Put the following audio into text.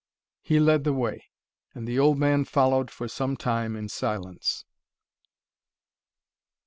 He led the way, and the old man followed for some time in silence.